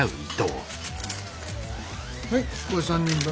はいこれ３人分。